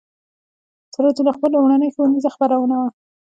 سراج الاخبار لومړنۍ ښوونیزه خپرونه وه.